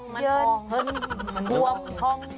มันพองมันพอง